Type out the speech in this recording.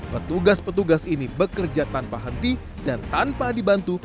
petugas petugas ini bekerja tanpa henti dan tanpa dibantu